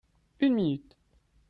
Une minute.